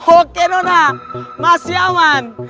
oke nona masih aman